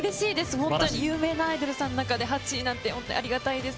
本当に、有名なアイドルさんの中で８位なんて、本当にありがたいです。